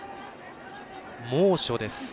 猛暑です。